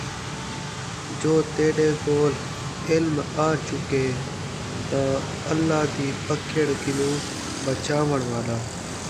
جو تیݙے کولھ علم آچکیئے تاں اللہ دِی پکڑ کنُوں بچاوݨ والا